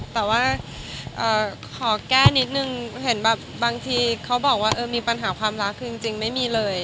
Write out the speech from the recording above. แต่ว่าขอแก้นิดหนึ่งเค้าบอกว่ามีปัญหาความรักจริงไม่มีเลย